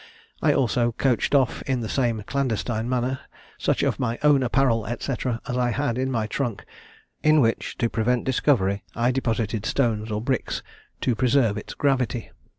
I also coached off, in the same clandestine manner, such of my own apparel, &c. as I had in my trunk, in which, to prevent discovery, I deposited stones or bricks to preserve its gravity.